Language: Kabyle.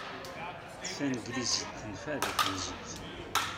Tanglizit tenfeɛ deg tnezzut.